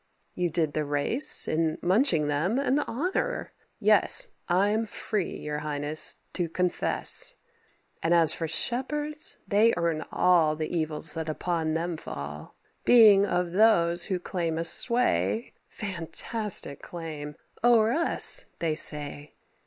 You did the race, In munching them, an honour yes, I'm free, your highness, to confess. And as for shepherds, they earn all The evils that upon them fall: Being of those who claim a sway (Fantastic claim!) o'er us, they say."